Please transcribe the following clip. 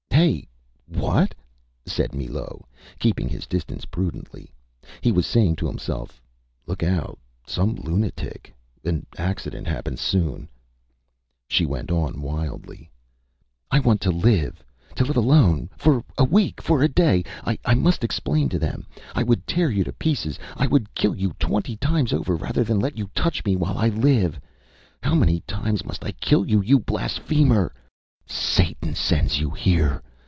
ÂHey! What?Â said Millot, keeping his distance prudently. He was saying to himself: ÂLook out! Some lunatic. An accident happens soon.Â She went on, wildly ÂI want to live. To live alone for a week for a day. I must explain to them. ... I would tear you to pieces, I would kill you twenty times over rather than let you touch me while I live. How many times must I kill you you blasphemer! Satan sends you here.